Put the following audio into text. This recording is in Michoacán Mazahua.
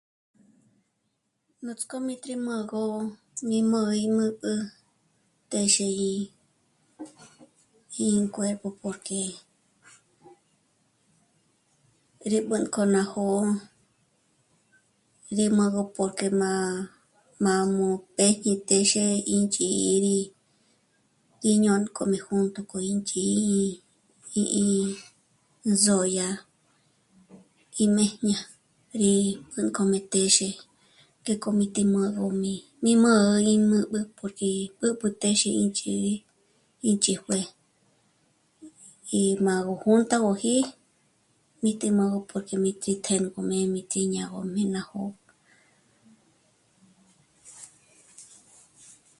Nuts'k'ojmé rí mâ'agö ngí mó'o í mü̂gü téxe í... ín cuerpo porque rí b'ü̂nk'o ná jó'o rí mâ'agö porque má... májmu pédye téxe ín ch'ǐ'i rí... gí ñônk'ojmé júnt'u k'o ín ch'í'i í... zódya í më́jña. Rí b'ü̂nk'ojme téxe ngék'o mi tí má'agöjmi mí mä̂'ä í m'ü̂b'ü porque b'ǚb'ü téxe ín ch'ǐ'i ín ch'íjue Í mâ'agö júntagöji mí ti mâ'agö porque mí tí tjë̌nk'o jméjme tí ñá'agö ná jó'o